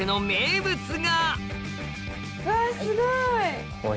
うわすごい！